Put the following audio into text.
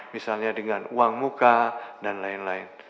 misalnya dengan uang muka dan lain lain